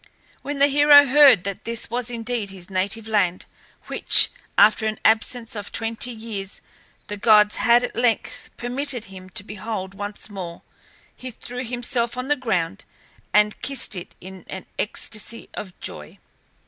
When the hero heard that this was indeed his native land, which, after an absence of twenty years, the gods had at length permitted him to behold once more, he threw himself on the ground, and kissed it in an ecstacy of joy.